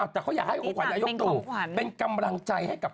แต่เขาอยากให้ของขวัญนายกตู่เป็นกำลังใจให้กับ